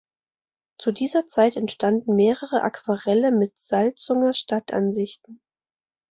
Zu dieser Zeit entstanden mehrere Aquarelle mit Salzunger Stadtansichten.